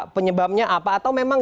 penyebabnya apa atau memang